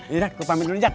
yaudah gue pamit dulu jak